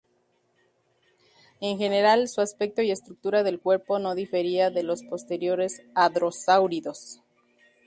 En general, su aspecto y estructura del cuerpo no difería de los posteriores hadrosáuridos.